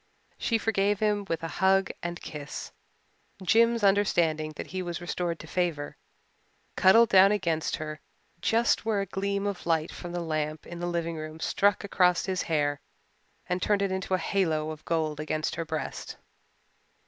She forgave him with a hug and kiss. Jims, understanding that he was restored to favour, cuddled down against her just where a gleam of light from the lamp in the living room struck across his hair and turned it into a halo of gold against her breast.